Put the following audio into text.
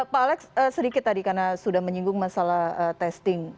pak alex sedikit tadi karena sudah menyinggung masalah testing